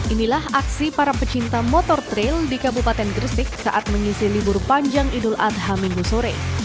inilah aksi para pecinta motor trail di kabupaten gresik saat mengisi libur panjang idul adha minggu sore